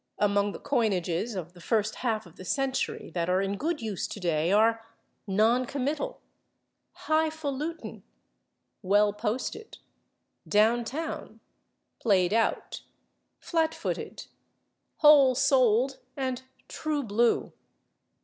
Among the coinages of the first half of the century that are in good use today are /non committal/, /highfalutin/, /well posted/, /down town/, /played out/, /flat footed/, /whole souled/ and /true blue